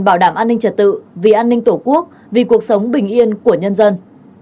bảo đảm an ninh trật tự vì an ninh tổ quốc vì cuộc sống bình yên của nhân dân